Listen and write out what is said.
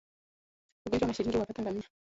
Ugonjwa wa mashilingi huwapata ngamia